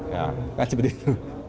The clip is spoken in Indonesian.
ya kan seperti itu